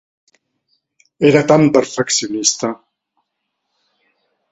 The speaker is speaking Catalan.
Era tan perfeccionista.